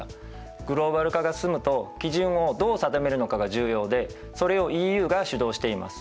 グローバル化が進むと基準をどう定めるのかが重要でそれをＥＵが主導しています。